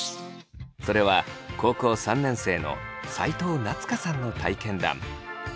それは高校３年生の齋藤夏花さんの体験談。